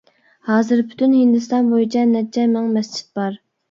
ھازىر پۈتۈن ھىندىستان بويىچە نەچچە مىڭ مەسچىت بار.